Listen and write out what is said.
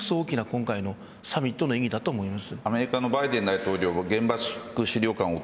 今回の大きなサミットの意義だと思います。